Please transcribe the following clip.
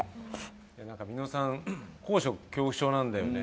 みのさん、高所恐怖症なんだよね。